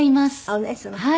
お姉様。